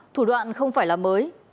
thủ đoạn không phải là mới